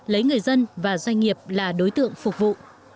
lấy người dân và doanh nghiệp là đối tượng phục vụ